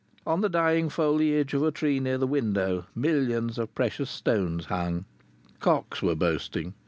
On the dying foliage of a tree near the window millions of precious stones hung. Cocks were boasting.